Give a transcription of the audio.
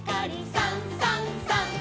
「さんさんさん」